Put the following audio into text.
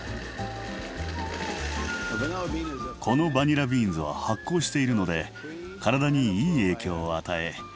このバニラビーンズは発酵しているので体にいい影響を与え